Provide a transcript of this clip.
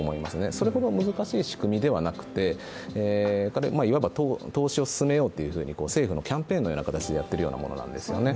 それほど難しい仕組みではなくて、いわば投資を進めようというふうに政府のキャンペーンのような形でやってるようなものなんですね。